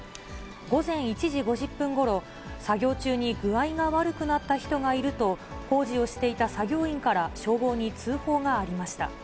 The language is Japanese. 午前１時５０分ごろ、作業中に具合が悪くなった人がいると、工事をしていた作業員から消防に通報がありました。